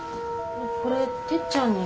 これてっちゃんに。